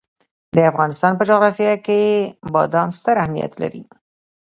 د افغانستان په جغرافیه کې بادام ستر اهمیت لري.